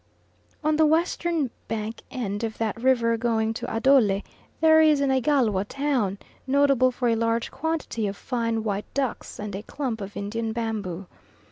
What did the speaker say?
On the western bank end of that river going to Adole, there is an Igalwa town, notable for a large quantity of fine white ducks and a clump of Indian bamboo.